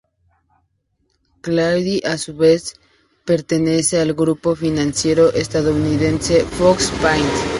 Cradle a su vez pertenece al grupo financiero estadounidense Fox Paine.